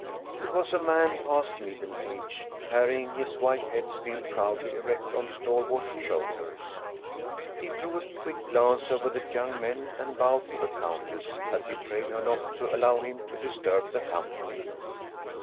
It was a man past middle age, carrying his white head still proudly erect on stalwart shoulders. He threw a quick glance over the young men and bowed to the countess, as he prayed her not to allow him to disturb the company.